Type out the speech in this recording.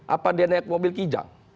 apa dia naik mobil kijang